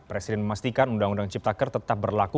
presiden memastikan undang undang ciptaker tetap berlaku